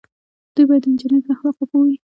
دوی باید د انجنیری په اخلاقو پوه وي.